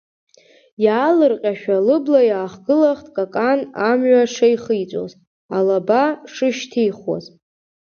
Иаалырҟьашәа лыбла иаахгылахт Какан амҩа шеихиҵәоз, алаба шышьҭихуаз…